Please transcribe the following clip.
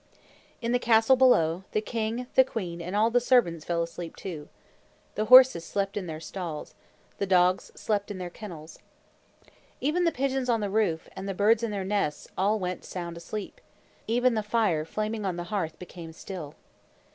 In the castle below, the king, the queen, and all the servants fell asleep, too. The horses slept in their stalls. The dogs slept in their kennels. The pigeons on the roof, and the birds in their nests, all went sound asleep. Even the fire flaming on the hearth became still.